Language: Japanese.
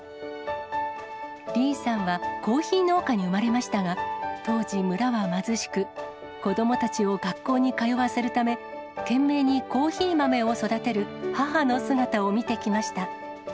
リーさんはコーヒー農家に生まれましたが、当時、村は貧しく、子どもたちを学校に通わせるため、懸命にコーヒー豆を育てる母の姿を見てきました。